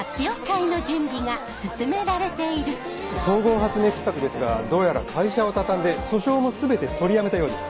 総合発明企画ですがどうやら会社を畳んで訴訟も全て取りやめたようです。